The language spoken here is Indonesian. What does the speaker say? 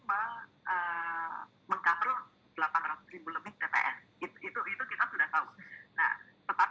mengkabur delapan ratus ribu lebih cps